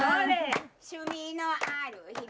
趣味のある人」